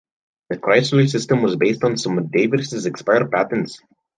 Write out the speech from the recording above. The Chrysler system was based on some of Davis' expired patents.